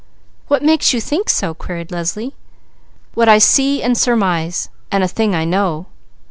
"What makes you think so?" queried Leslie. "What I see and surmise, and a thing I know."